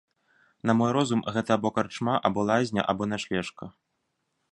На мой розум, гэта або карчма, або лазня, або начлежка.